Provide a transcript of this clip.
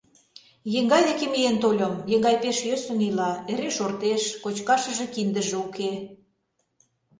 Еҥгай деке миен тольым; еҥгай пеш йӧсын ила; эре шортеш, кочкашыже киндыже уке...